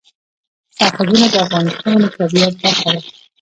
سرحدونه د افغانستان د طبیعت برخه ده.